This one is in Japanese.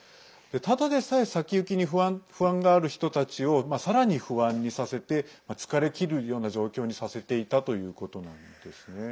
ただでさえ先行きに不安がある人たちをさらに不安にさせて疲れきるような状況にさせていたということなんですね。